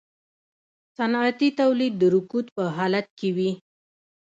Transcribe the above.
صنعتي تولید د رکود په حالت کې وي